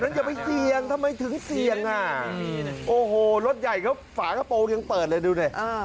แต่นั้นจะไม่เสี่ยงทำไมถึงเสี่ยงอ่ะโอ้โหรถใหญ่ฝากระโปรยังเปิดเลยดูหน่อย